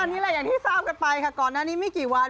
อันนี้แหละอย่างที่ทราบกันไปค่ะก่อนหน้านี้ไม่กี่วัน